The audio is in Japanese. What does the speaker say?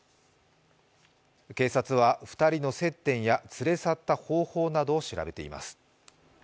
警察は２人の接点や連れ去った方法などを調べています。